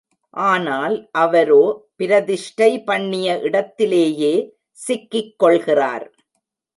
ஆனால் அவரோ பிரதிஷ்டை பண்ணிய இடத்திலேயே சிக்கிக் கொள்கிறார்.